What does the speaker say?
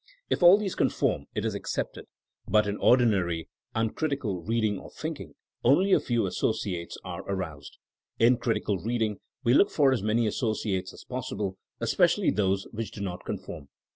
If aU these conform it is accepted. But in ordinary uncritical reading or thinking, only a few asso ciates are aroused. In critical reading, we look for as many associates as possible, especially those which do not conform.